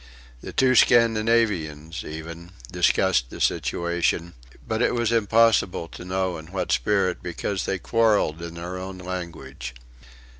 The two Scandinavians, even, discussed the situation but it was impossible to know in what spirit, because they quarrelled in their own language.